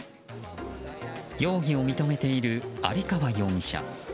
容疑を認めている有川容疑者。